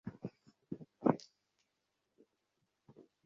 নূতনত্বের স্বাদ না পাইয়াই উভয়ে উভয়ের কাছে পুরাতন পরিচিত অভ্যস্ত হইয়া গেল।